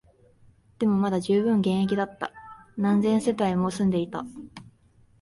でも、まだ充分現役だった、何千世帯も住んでいた